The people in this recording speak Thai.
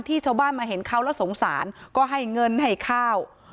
ชาวบ้านมาเห็นเขาแล้วสงสารก็ให้เงินให้ข้าว